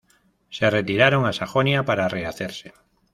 Se retiraron a Sajonia para rehacerse.